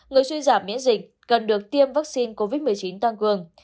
người suy giảm miễn dịch cần được tiêm vaccine covid một mươi chín tăng cường